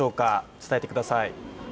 伝えてください。